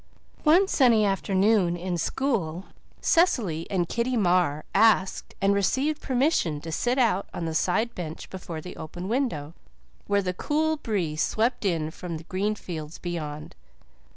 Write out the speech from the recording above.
One sunny afternoon in school, Cecily and Kitty Marr asked and received permission to sit out on the side bench before the open window, where the cool breeze swept in from the green fields beyond.